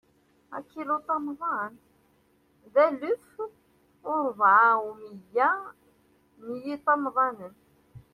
Akiluṭamḍan, d alef u rebɛa u miyya n yiṭamḍanen.